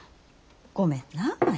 ごめんな舞。